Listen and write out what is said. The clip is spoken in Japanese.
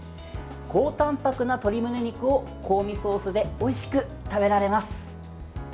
高たんぱくな鶏むね肉を香味ソースでおいしく食べられます。